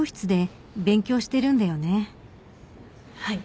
はい。